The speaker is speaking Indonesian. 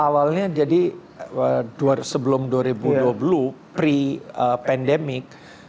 awalnya jadi sebelum dua ribu dua puluh pre pandemic